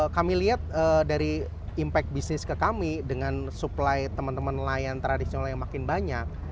kami lihat dari impact bisnis ke kami dengan supply teman teman nelayan tradisional yang makin banyak